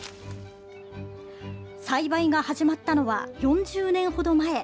栽培が始まったのは、４０年ほど前。